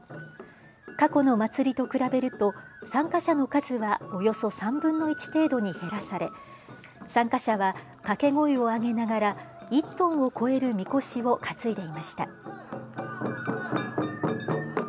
過去の祭りと比べると参加者の数はおよそ３分の１程度に減らされ参加者は掛け声を上げながら１トンを超えるみこしを担いでいました。